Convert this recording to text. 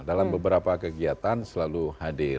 dalam beberapa kegiatan selalu hadir